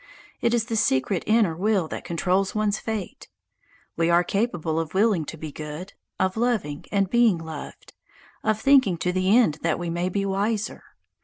It is the secret inner will that controls one's fate. We are capable of willing to be good, of loving and being loved, of thinking to the end that we may be wiser.